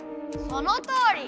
そのとおり。